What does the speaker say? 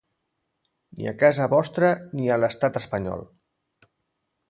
Ni a casa vostra, ni a l'Estat espanyol.